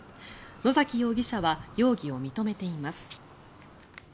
野崎容疑者は容疑を認めています。